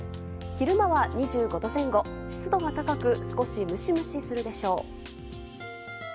昼間は２５度前後、湿度が高く少しムシムシするでしょう。